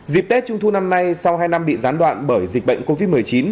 dịp tết trung thu năm nay sau hai năm bị gián đoạn bởi dịch bệnh covid một mươi chín